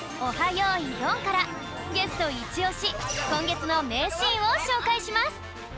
よいどん」からゲストいちおしこんげつのめいシーンをしょうかいします